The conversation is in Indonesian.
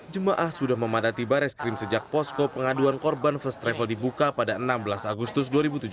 jemaah sudah memadati baris krim sejak posko pengaduan korban first travel dibuka pada enam belas agustus dua ribu tujuh belas